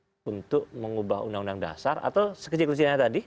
yang punya kuasa untuk mengubah undang undang dasar atau sekecil kecilnya tadi